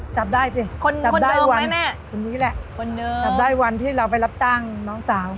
จับได้สิจับได้วันที่เราไปรับจ้างน้องสาว